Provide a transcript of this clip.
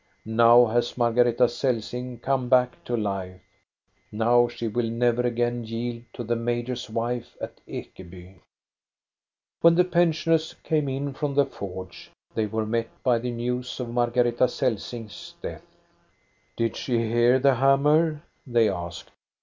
Now has Margareta Celsing come back to life. Now she will never again yield to the major's wife at Ekeby." When the pensioners came in from the forge, they were met by the news of Margareta Celsing' s death. " Did she hear the hammer 1 " they asked.